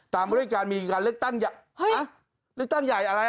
มาด้วยการมีการเลือกตั้งใหญ่เลือกตั้งใหญ่อะไร